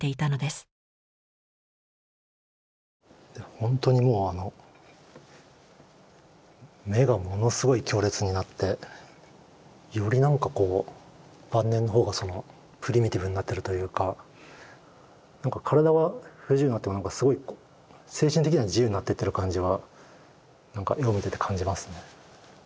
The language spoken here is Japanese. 本当にもうあの目がものすごい強烈になってより何かこう晩年の方がプリミティブになってるというか何か体は不自由になっても精神的には自由になってってる感じは絵を見てて感じますね。